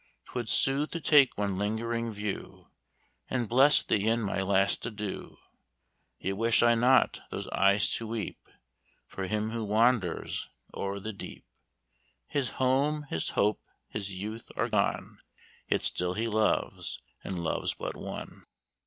"'Twould soothe to take one lingering view, And bless thee in my last adieu; Yet wish I not those eyes to weep For him who wanders o'er the deep; His home, his hope, his youth are gone, Yet still he loves, and loves but one."